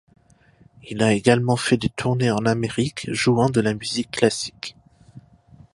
Il a également fait des tournées en Amérique, jouant de la musique classique.